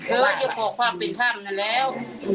เอออย่าขอความเป็นธรรมนั่นแล้ว